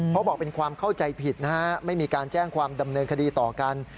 เพราะบอกเป็นความเข้าใจผิดนะฮะไม่มีการแจ้งความดำเนินคดีต่อกัน